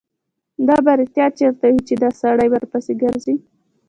دا به رښتیا چېرته وي چې دا سړی ورپسې ګرځي.